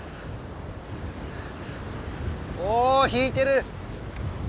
お引いてる。